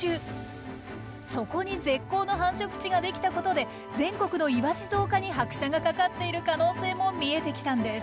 そこに絶好の繁殖地ができたことで全国のイワシ増加に拍車がかかっている可能性も見えてきたんです。